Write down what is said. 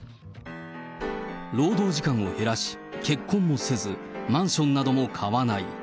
労働時間を減らし、結婚もせず、マンションなども買わない。